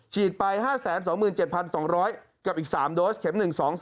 ไป๕๒๗๒๐๐กับอีก๓โดสเข็ม๑๒๓